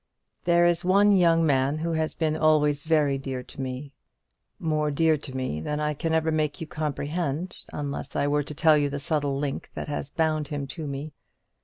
There is one young man who has been always very dear to me more dear to me than I can ever make you comprehend, unless I were to tell you the subtle link that has bound him to me.